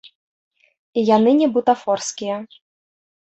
І яны не бутафорскія.